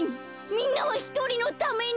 みんなはひとりのために。